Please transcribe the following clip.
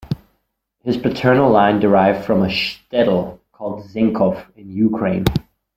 His paternal line derived from a shtetl called Zenkhov, in Ukraine.